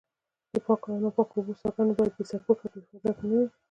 د پاکو او ناپاکو اوبو څاګانې باید بې سرپوښه او بې حفاظته نه وي.